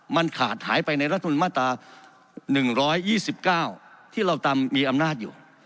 มันขาดหายไปในรัฐมนุนมาตรา๑๒๙ที่เรามีอำนาจอยู่